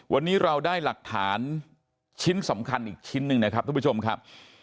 วันนี้เราได้หลักฐานชิ้นสำคัญอีกชิ้นหนึ่งนะครับทุกผู้ชมครับ